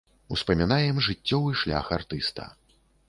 Успамінаем жыццёвы шлях артыста.